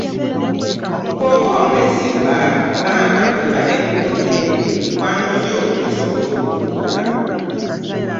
Bwoba omwesigwa, bbanka bw’eba tekuwoze, mikwano gyo gisobola okukuwola